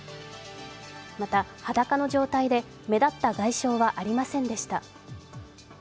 また裸の状態で目立った外傷はありませんでした。